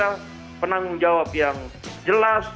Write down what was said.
ada penanggung jawab yang jelas